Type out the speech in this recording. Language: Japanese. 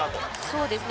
そうですね。